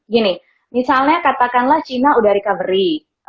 gini misalnya katakanlah cina udah recovery